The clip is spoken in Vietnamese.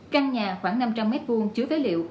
căn nhà khoảng năm trăm linh m hai chứa phế liệu